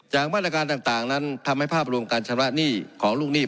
มาตรการต่างนั้นทำให้ภาพรวมการชำระหนี้ของลูกหนี้